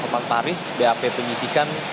hukuman taris bap penyidikan